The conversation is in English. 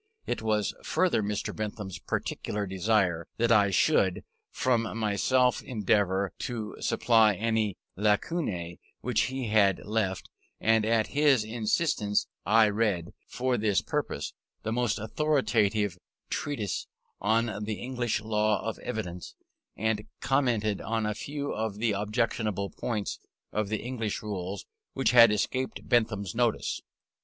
It was further Mr. Bentham's particular desire that I should, from myself, endeavour to supply any lacunae which he had left; and at his instance I read, for this purpose, the most authoritative treatises on the English Law of Evidence, and commented on a few of the objectionable points of the English rules, which had escaped Bentham's notice.